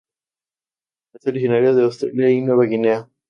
Es originario de Australia y Nueva Guinea.